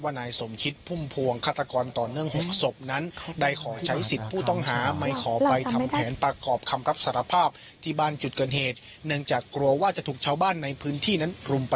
ว่านายสมคิดพุ่มพวงฆาตกรต่อเนื่องห่วงศพ